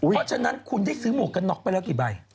เพราะฉะนั้นคุณได้ซื้อหมวกกันน็อกไปแล้วกี่ใบ